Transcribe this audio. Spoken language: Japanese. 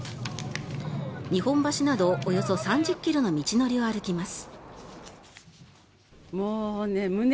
日本橋などおよそ３０ｋｍの道のりを歩きます。